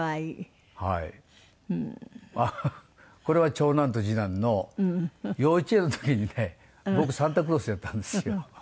これは長男と次男の幼稚園の時にね僕サンタクロースやったんですよ。